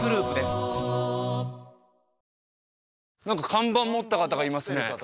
何か看板持った方がいますね